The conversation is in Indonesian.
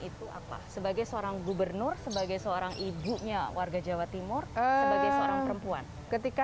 itu apa sebagai seorang gubernur sebagai seorang ibunya warga jawa timur sebagai seorang perempuan ketika